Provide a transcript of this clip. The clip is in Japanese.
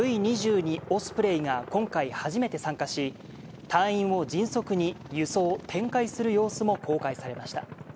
オスプレイが今回、初めて参加し、隊員を迅速に輸送・展開する様子も公開されました。